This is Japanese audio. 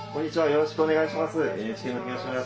よろしくお願いします。